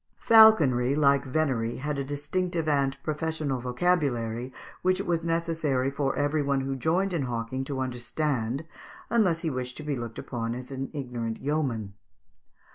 ] Falconry, like venery, had a distinctive and professional vocabulary, which it was necessary for every one who joined in hawking to understand, unless he wished to be looked upon as an ignorant yeoman.